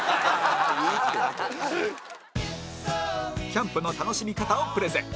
キャンプの楽しみ方をプレゼン